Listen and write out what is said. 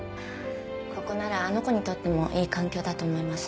ここならあの子にとってもいい環境だと思います。